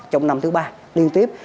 trong năm thứ ba liên tiếp